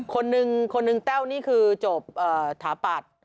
คนหนึ่งคนหนึ่งแต้วนี่รีบที่ถาปัด